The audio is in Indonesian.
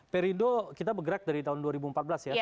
perindo kita bergerak dari tahun dua ribu empat belas ya